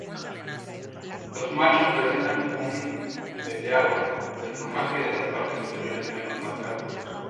Los machos presentan un veteado del plumaje de las partes superiores menos marcado.